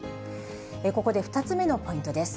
ここで２つ目のポイントです。